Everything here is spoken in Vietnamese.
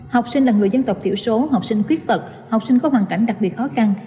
học sinh là người dân tộc thiểu số học sinh khuyết tật học sinh có hoàn cảnh đặc biệt khó khăn